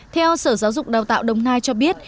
theo sở giáo dục đào tạo đồng nai cho biết